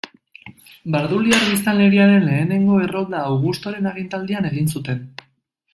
Barduliar biztanleriaren lehenengo errolda Augustoren agintaldian egin zuten.